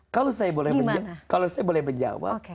kalau saya boleh menjawab